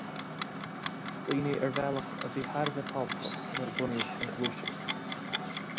Daoine ar bhealach a bhí thar a bheith tábhachtach nuair a bunaíodh an Ghluaiseacht.